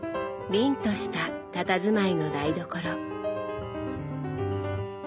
凛としたたたずまいの台所。